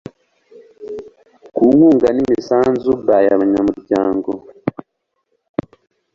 ku nkunga n imisanzu by 'abanyamuryango